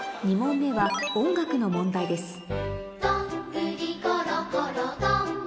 ２問目はの問題です